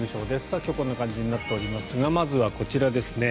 今日、こんな感じになっておりますがまずはこちらですね。